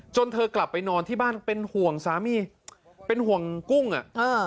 เธอกลับไปนอนที่บ้านเป็นห่วงสามีเป็นห่วงกุ้งอ่ะอ่า